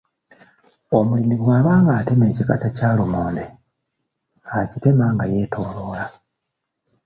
Omulimi bw'aba ng’atema ekikata kya lumonde; akitema nga yeetooloola.